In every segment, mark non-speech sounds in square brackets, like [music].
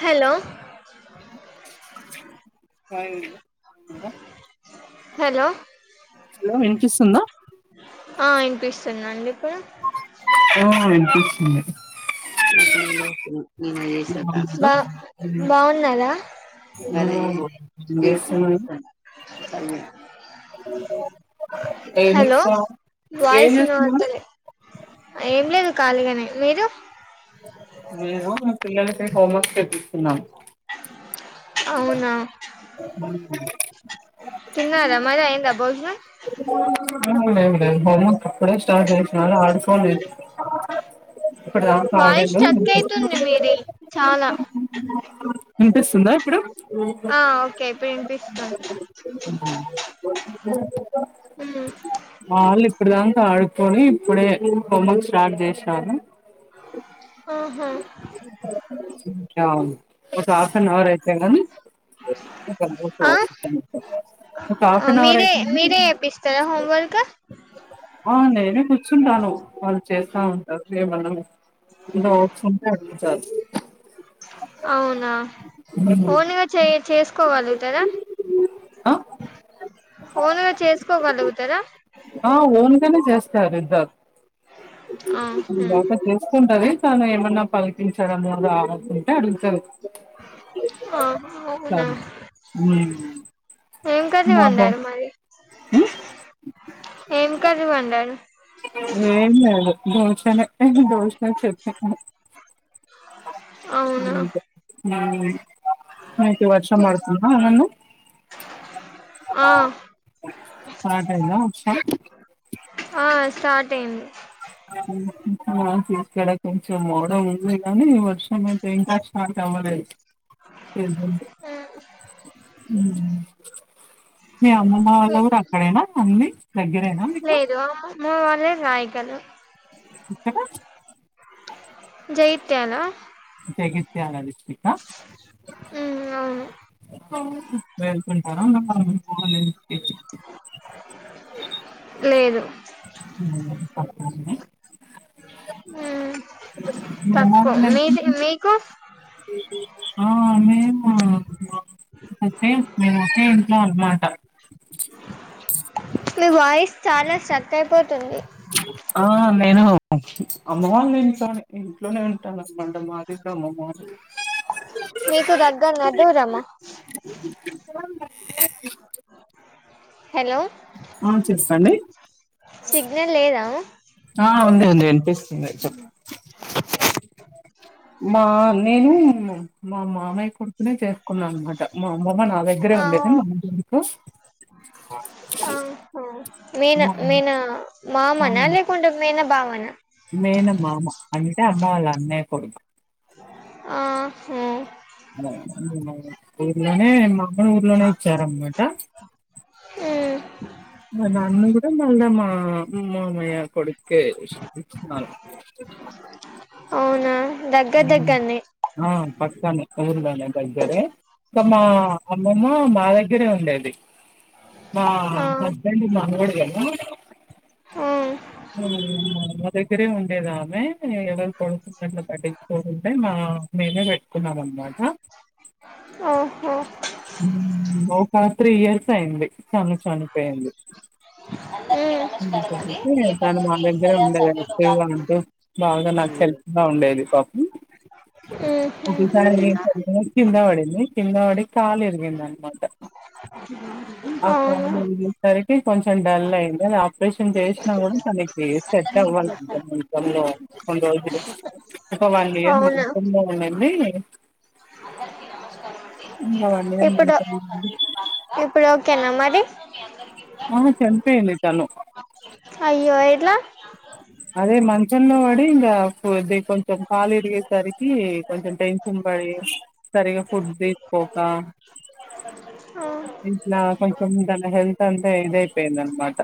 Hello హాయిండి ఇంక hello hello విన్పిస్తుందా హా విన్పిస్తుందండి ఇప్పుడ ఆ విన్పిస్తుంది బా బాగున్నదా అదే ఏం చెప్పి చేస్తున్నారు చేస్తన్నా [unintelligible] ఏం వాయిస్ చేస్తున్నావ్ వినబడతలే ఏం లేదు ఖాళీగానే మీరు మేము పిల్లలకి హోంవర్క్ చేపిస్తునాం అవునా తిన్నారా మరి అయింద భోజనం లేదు లేదు హోంవర్క్ ఇప్పుడే స్టార్ట్ చేసినను ఆల్రెడీ ఫోన్ చే ఇప్పుడుదాకా వాయిస్ అడ్డిండు స్ట్రక్ అయితుంది మీది చాలా వినిపిస్తుందా ఇప్పుడు ఆ ఓకే ఇప్పుడు వినిపిస్తుంది [unintelligible] అమా మా వాళ్ళు ఇప్పుడుదాకా ఆడుకొని ఇప్పుడే హోంవర్క్ స్టార్ట్ చేసారు ఆహా వును ఒక హాఫ్నాహౌర్ అయితేగాని [unintelligible] మీరే మీరే చెప్పిస్తారా హోమ్వర్క్ ఆ నేనే కూర్చుంటాను వాళ్ళు చేస్తా ఉంటారు ఏమన్నా డౌట్స్ ఉంటే అడుగు చల్ అవునా ఓన్గా చే చేసుకోగాల్గుతారా ఆ ఓన్గా చేసుకోగలుగుతారా ఆ ఓన్గానే చేస్తారు ఇద్దర్ ఆహా అందాక చేసుకుంటది తన ఏమన్నా పలికించాడము ఆలా ఉంటే అడుగుతది ఆహ అవునా తను ఉమ్ ఏం మా బా కర్రీవ్వడారు మరి ఉమ్ ఏం కర్రీ వండారు ఏం లేదు దోశనే దోశ చెప్పను [inaudible] అవునా అంతే హ మీకీ వర్షం బడుతుంద అలానే ఆ స్టార్ట్ అయిందా వర్షం ఆ స్టార్ట్ అయింది. ఆహ్. అవును ఉమ్ అవునవును ఓకే ఇక్కడ కొంచెం మోడం ఉన్నాయి కానీ వర్షం అయితే ఇంకా స్టార్ట్ అవ్వలేదు. ఉమ్. మీ అమ్మమ్మ వాళ్ళ ఊరు అక్కడేనా అంది దగ్గరేనా మీకు. మా అమ్మమ్మ వాళ్లది రైకలు. ఎక్కడ. జగిత్యాల. జగిత్యాల డిస్ట్రిక్కా. ఉహ్మ్ అవును. వెళ్తుంటారా మీ అమ్మమ్మ వాళ్ళ ఇంటికి. లేదు. ఉమ్ [unintelligible] అండి. ఉమ్. మీ తక్కువ అమ్మమ్మ వాళ్ళ మీది మీకు. ఆహ్ మేము మాకైతే మేము ఒకే ఇంట్లో అనమాట. మీ వాయిస్ చాలా స్టక్ అయిపోతుంది. ఆహ్ నేను అమ్మ వాళ్ళ ఇంట్లోనే ఇంట్లోనే ఉంటాను అనమాట మా. మీకు దగ్గరనా దూరమా. ఉమ్. హలో సిగ్నల్ లేదా. ఆహ్ ఉంది ఉంది అనిపిస్తుంది చెప్పు. మా నేను మా మామయ్య కొడుకు. చేసుకున్నా అనమాట మా అమ్మమ్మ నా దగ్గరే ఉండేది మా అమేకు. ఆహ్ ఆహా. మేనా మా మేనా మా మామానా లేకుంటే మేనా బావన. మేనమామ అంటే అమ్మ వాళ్ళ అన్నయ్య కొడుకు. ఆహ్ హ్. ఊర్లోనే మా అమ్మని ఊర్లోనే ఇచ్చారన్నమాట. ఉమ్ మా నాన్నను కూడా మల్ల మా మామయ్యకు. కొడుకే ఇస్తున్నారు. అవునా దగ్గర ఉమ్ దగ్గరనే ఆహ్ పక్కానే. అవును మా దగ్గరే ఇక మా అమ్మమ్మ మా దగ్గరే ఉండేది. మా ఆ హస్బెండ్ మనవడే కదా. ఆహ్. ఉమ్ మా అమ్మా దగ్గరే ఉండేది ఆమె ఎవరు కొడుకులు పట్టించుకో కుంటే మా. మేమే పెట్టుకున్నాం అన్నమాట. ఆహ్ హ్. ఉమ్ ఒ ఫో త్రీ ఇయర్స్ అయింది ఆమె చనిపోయింది. ఉమ్. కతే తను మా దగ్గరే ఉండేది అట్లా ఉంటూ బాగా నాకు హెల్ప్ గా ఉండేది. ఉమ్ ఉహు ఒకేసారి [unintelligible] కింద పడింది కింద పడి కాళ్ళు ఇరిగిందనామాట. ఆ కాలు అవునా ఇరిగేసారకి. కొంచెం డల్ అయింది అ ఆపరేషన్ చేసినా కూడా తనకి సెట్ అవ్వాలె కొంచం [unintelligible] లో కొన్ని రోల్ ఒక వన్ ఇయర్ అవునా మంచంలో ఉండింది ఇంకా వన్ ఇప్పుడు ఇయర్ ఇప్పుడు ఓకేనా మరి ఆహా చనిపోయింది తను అయ్యో ఎట్లా అదే మన్ చ్చంలో పడి ఇంగ ద్ కొంచెం కాలు ఇరిగేసరికి కొంచెం టెన్షన్ పడి సరిగా ఫుడ్స్ తీసుకోక కీపర్ ఒకరు ఇట్లా కొంచం తన హెల్త్ అంతా ఇదైపోయిందన్నమాట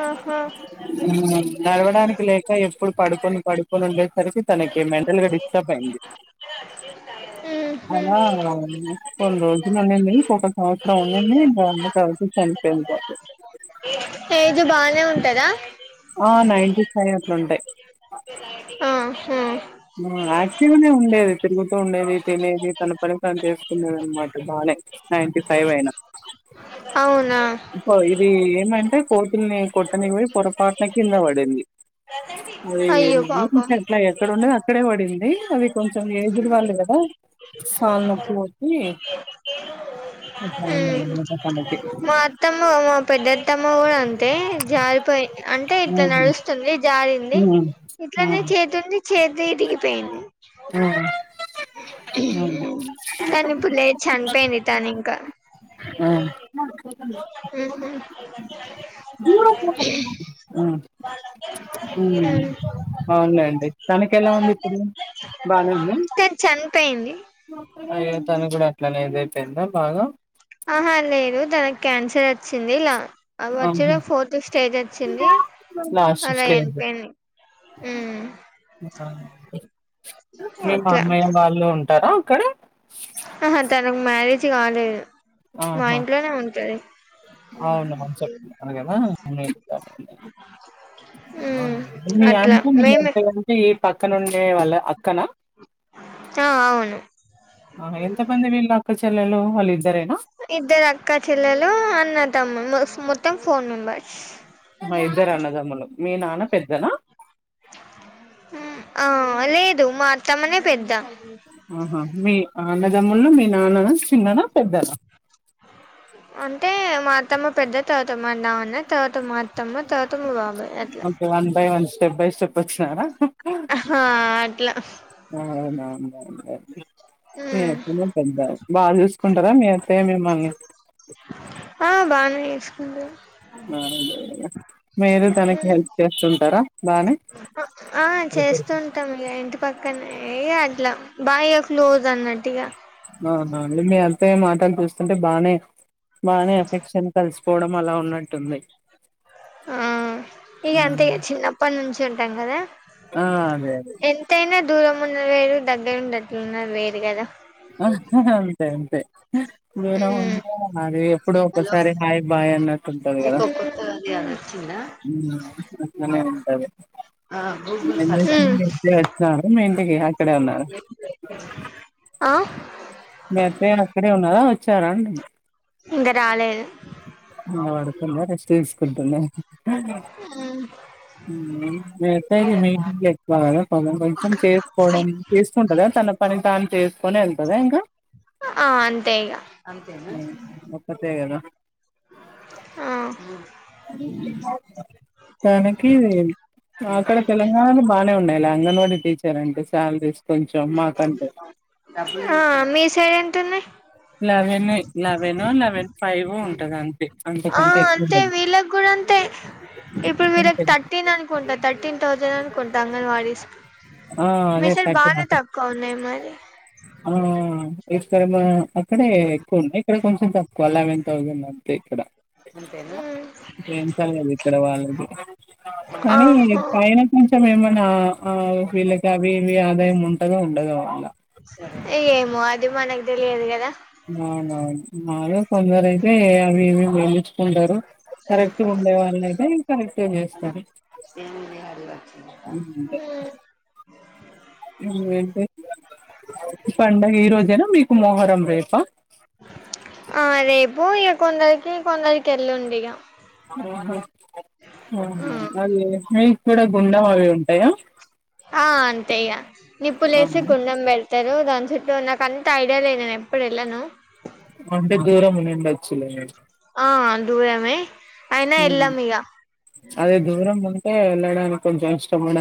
ఆహా నడవడానికి లేక ఎప్పుడు పడుకొని పడుకొని ఉండేసరికి తనకి మెంటల్ గా డిస్టర్బ్ అఇంది ఉహు అలా కొన్ని రోజులు ఉన్నాది ఒక సంవత్సరం ఉన్నాది మాఅమ్మ బాధతో చనిపోంది ఏజ్ బానే ఉంటదా ఆ నైన్టీ ఫైవ్ అట్లుంటాయి ఆహా యాక్టివ్నే ఉండేది తిరుగుతూ ఉండేది తినేది తన పని తను చేసుకునేదన్నమాట బానే నైన్టీ ఫైవ్ అయినా అవున అది ఏదంటే కోతుల్ని కొట్టని పోయి పొరపాటున కింద పడింది అది అయ్యో పాపం మములుగా ఏట్లా ఎక్కడ ఉండేది అక్కడే పడింది అది కొంచెం ఏజ్డ్ వాళ్ళు కదా కాళ్ళు నొప్పులోచ్చి అట్లా అయ్యిందన్నమాట తనకి మా అత్తమ్మ మా పెద్దత్ తమ్మ కూడా అంతే జారిపోయి అంటే ఇట్లా మ్మ్ నడుస్తుంది జారిం ది మ్మ్ ఇట్లనే మ్మ్ చేతి ఉంది చేతిరిగిపోయింది మ్మ్ మ్మ్ కానీ ఇప్పుడు లేద్ చనిపోయింది తను ఇంకా ఆ మ్ హు మ్ అవును లేండి తనకి ఎలా ఉంది ఇప్పుడు బానే ఉంద తను చనిపోయింది తని కూడా అట్లనే ఇదైపోయిందా బాగా ఆహా లేదు తనకు క్యాన్సర్ వచ్చింది ఇలా వచ్చ ఆహా ఫోర్త్ ఫిఫ్ స్టేజ్ వచ్చింది లాస్ట్ అలా స్టేజ్ చనిపోయింది మీ అట్లా మామ్మయ్య వాళ్ళు ఉం టారా అక్కడ ఆహా తనకు మ్యారేజ్ కాలే మా ఇంట్లనే ఉంటది అవున [unintelligible] కదా మీ అట్లా అంటే మీ [unintelligible] మేమే అంటే ఈ పక్కనుండే వాళ్ళ అక్కనా ఆ అవును ఆహా ఎంత మంది విళ్ళు అక్క చెెళ్ళేల్లు వాళ్ళు ఇద్దరేనా ఇద్దరు అక్క చెల్లలు అన్న తమ్ములు మొత్తం ఫోర్ మెంబర్స్ మా ఇద్దరు అన్నదమ్ములు మీ నాన్న పెద్దనా ఆ లేదు మా అత్తమ్మా నే పెద్ద ఆహా మీ అన్నదమ్ములు మీ నాన్న చిన్నద పెద్దద అంటే మా అత్తమ్మ పెద్దది తర్వాత మ నాన్న తర్వాత మా అత్తమ్మ తర్వాత మా బాబాయ్ అట్లా okay one by one step by step వచ్చినారా ఆ అట్లా అవునవు మీ అత్తమ్మ నే పెద్ద బాగా చూసుకుంటారా మీ అత్త య మీమల్ని ఆ బానే చూసుకుంది ఆ మీరు తనకి హెల్ప్ చేస్తుంటారా బానే ఆ చేస్తుంటాం ఇక ఇంటి పక్కనే అట్లా బాయ్య క్లోజ్ అన్నట్టు ఇగ అవుడి మీ అంతా ఏ మాటలు చూస్తుంటే బాగానే బాగానే ఎఫెక్షన్ కలిసి పోవడం అలా ఉన్నట్టుంది ఆ ఇగ అంతే చిన్నప్పటి నుంచి ఉంటాం కదా ఆ అదే అదే ఎంతైనా దూరం ఉన్న వేరు దగ్గర ఉండట్లు ఉన్నారు వేరు కదా అంతే అంతే దూరం ఉమ్ అంటే అది ఎప్పుడు హలో ఒకసారి హాయ్ బాయ్ అన్నట్టు ఉంటది కదా వచ్చింద [unintelligible] వచ్చినడు మీ ఇంటికి అక్కడే ఉన్నారు ఆ మీ అత్తయ్య అక్కడే ఉన్నారా వచ్చారా అండి ఇంకా రాలేదు రెస్ట్ తీసుకుంటుంది వేసా మీ ఎక్వ కదా కొంచం కొంచెం చేసుకోవడం చేస్తుంటందా తన పని కాని చేసుకోని వెళ్తుదా ఇంకా ఆ అంతే ఇగ అంతే కదా ఆ తనకి అక్కడ తెలంగాణలో బానే ఉన్నాయి అంగన్వాడి టీచర్ అంటే చాల ఇష్టం ఆ మీ సైడ్ ఎంత ఉంది లెవెన్ లెవెన్ ఫైవ్ ఉంటది అంతే ఆ అంతకంటే ఎక్కువ అంతే ఉండదు వీళ్ళకి కూడా అంతే ఇప్పుడు వీళ్ళకి అంతే థర్టీన్ అనుకుంటా థర్టీన్ థౌజండ్ అనుకుంటా అంగన్వాడీస్ ఆ మీ అదే సైడ్ బానే [unintelligible] తక్కువ ఉన్నాయి మరి [unintelligible] అక్కడే ఎక్కువ ఉన్నాయి ఇక్కడ కొంచెం తక్కువ అలావన్ థౌసం అంతే ఇక్కడ అంతేనా [unintelligible] కానీ ఆహా పైనా కొంచం మొత్తం ఏమనా ఆ వీళ్ళకి అవి ఇవి ఆదాయం ఉంటదో ఉండదో వాళ్ళ ఏమో అది మనకి తెలియదు కదా అవునవును మాలో కొందరు అయితే అవి ఏమ గలించుకుంటారు కరెక్ట్ ఉండే వాళ్ళ అయితే కరెక్ట్ చేస్తారు ఏముంది అడిగి వచ్చిందట ఉమ్ ఏంటి పండుగ ఈ రోజేనా మీకు మొహరం రేపా ఆ రేపు ఇగ కొందరికి కొందరికి ఎల్లుండి ఇగ ఆహ అద మీకు కూడా గుండెం అవి ఉంటాయా? ఆ అంతేయ్యా నిప్పులే వేసి అవును. గుండం పెడతారు దాని దిటు నాకు అంత ఐడియా లే నేను ఎప్పుడు వెళ్ళను. అంటే దూరం ఉనుండడొచ్చులే ఆ దూరమే అయినా ఉమ్ వెళ్ళాం ఇగ అదే దూరమ అ నడాలి కొంచెం కష్టపడ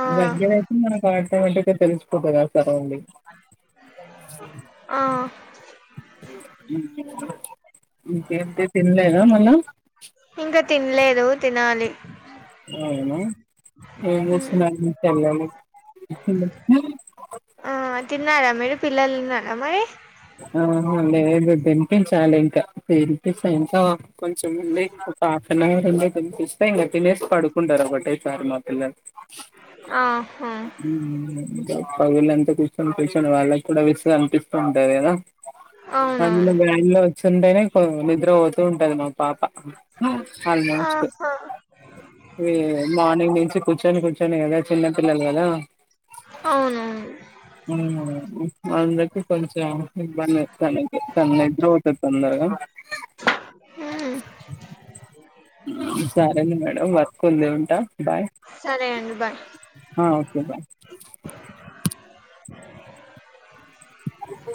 ఆ దగర్తేకు ఏమంటిదే తెలిసిపోతు క సరౌండింగ్ ఆ ఇంకేంటి తినలేదా మళ్లా ఇంక తినలేదు తినాలి అవునా ఏం చేస్తున్నారండి పిల్లలు ఉ అ ఆ తిన్నారా మీరు. పిల్లలు తిన్నారా మరి? ఆ అవునులే మీరు తినిపించాలి ఇంక తినిపించ ఎంకా కొంచెం ఉంది పాప ఇందాక నుంచి తినిపిస్తే ఇంగ తినేసి పడుకుంటారు ఒకటే సారి మా పిల్లలు ఆహా ఉమ్ పగళ్లంతా కూర్చొని కూచని వాళ్ళకి కూడా విసుగా అనిపిస్తూ ఉంటాది కదా అందులో అవునవును వేను లో వచ్చింటేనే నిద్ర పోతూ ఉంటది మా పాప. ఆల్మోస్ట్ ఆహా వీ మార్నింగ్ నుంచి కూర్చని కూర్చని కదా చిన్నపిల్లలు కదా అవునవును మ్ అవును అందకి కొంచెం ఇబ్బంది అయితాంది తన లైఫ్ లో తెస్తా తొందరగా [inaudible] సరేలే మేడం వర్క్ ఉంది ఉంటా బాయ్ సరే అండి బాయ్ అ ఓకే బాయ్ ఆహు